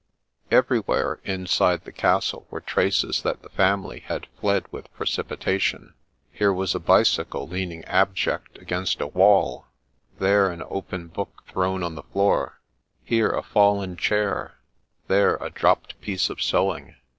Everywhere, inside the castle, were traces that the family had fled with precipitation. Here was a bicycle leaning abject against a wall ; there, an open book thrown on the floor ; here, a fallen chair ; there, a dropped piece of sewing.